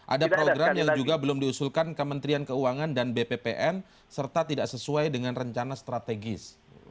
ada program yang juga belum diusulkan kementerian keuangan dan bppn serta tidak sesuai dengan rencana strategis